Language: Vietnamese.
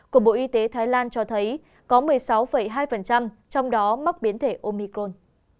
của bộ y tế thái lan cho thấy có một mươi sáu hai trong đó mắc biến thể omicol